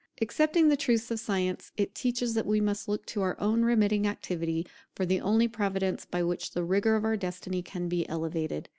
Accepting the truths of science, it teaches that we must look to our own unremitting activity for the only providence by which the rigour of our destiny can be alleviated.